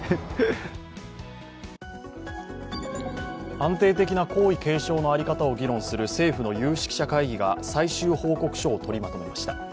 安定的な皇位継承の在り方を議論する政府の有識者会議が最終報告書を取りまとめました。